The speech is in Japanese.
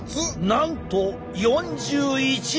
なんと４１℃！